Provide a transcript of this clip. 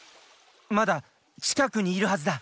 まだちかくにいるはずだ！